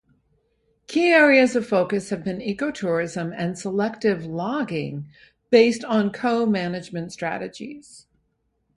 Key areas of focus have been ecotourism and selective logging based on co-management strategies.